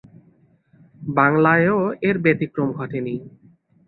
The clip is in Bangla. বাংলায়ও এর ব্যতিক্রম ঘটে নি।